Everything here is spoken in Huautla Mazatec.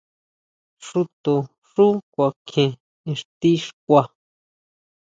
Xúto xú kuakjien ixti xkua.